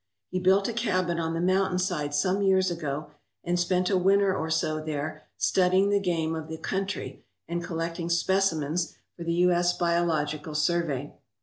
He built a cabin on the mountainside some years ago and spent a winter or so there studying the game of the country and collecting specimens for the U. S. Biological Survey.